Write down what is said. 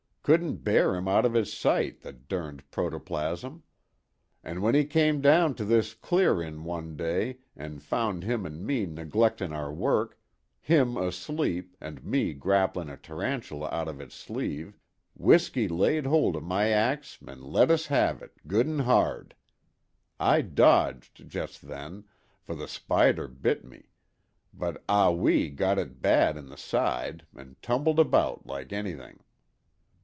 Couldn't bear 'im out of 'is sight, the derned protoplasm! And w'en 'e came down to this clear in' one day an' found him an' me neglectin' our work—him asleep an' me grapplin a tarantula out of 'is sleeve—W'isky laid hold of my axe and let us have it, good an' hard! I dodged just then, for the spider bit me, but Ah Wee got it bad in the side an' tumbled about like anything.